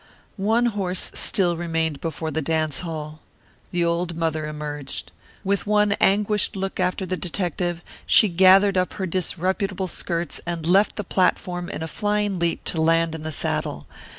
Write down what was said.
One horse still remained before the dance hall. The old mother emerged. With one anguished look after the detective, she gathered up her disreputable skirts and left the platform in a flying leap to land in the saddle.